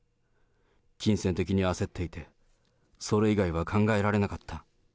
金銭的に焦っていて、それ以外は考えられなかった。